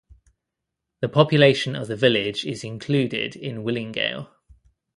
The population of the village is included in Willingale.